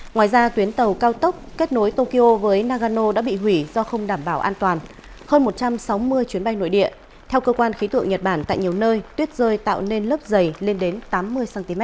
ngoài ra tuyến tàu cao tốc kết nối tokyo với nagano đã bị hủy do không đảm bảo an toàn hơn một trăm sáu mươi chuyến bay nội địa theo cơ quan khí tượng nhật bản tại nhiều nơi tuyết rơi tạo nên lớp dày lên đến tám mươi cm